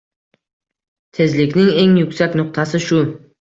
Tezlikning eng yuksak nuqtasi — shu!